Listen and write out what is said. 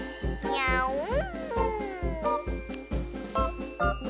ニャオーン。